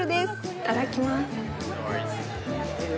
いただきます。